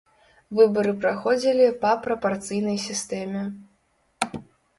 Выбары праходзілі па прапарцыйнай сістэме.